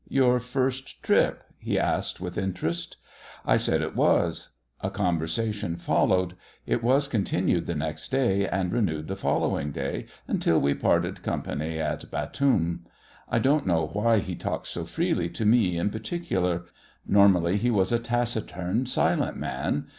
"Your first trip?" he asked with interest. I said it was. A conversation followed; it was continued the next day, and renewed the following day, until we parted company at Batoum. I don't know why he talked so freely to me in particular. Normally, he was a taciturn, silent man.